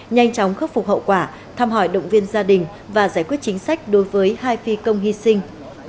nhanh chóng khắc phục hậu quả thăm hỏi động viên gia đình và giải quyết chính sách đối với hai phi công hy sinh